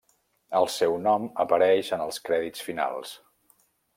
El seu nom apareix en els crèdits finals.